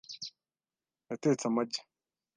Yatetse amagi .